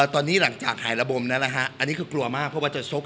ตอนนี้หลังจากหายระบมแล้วนะฮะอันนี้คือกลัวมากเพราะว่าจะชก